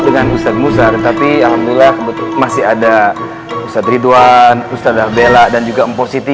dengan ustadz musa tetapi alhamdulillah kebetulan ada ustadz ridwan ustadz al bela dan juga mpositi